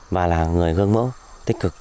và là người gương mẫu tích cực